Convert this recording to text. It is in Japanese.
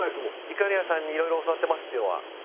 いかりやさんにいろいろ教わってますっていうのは。